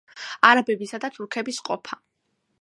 არაბებისა და თურქების ყოფა.